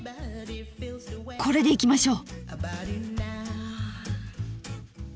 これでいきましょう。